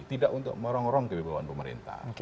tidak untuk merongrong kebibawahan pemerintah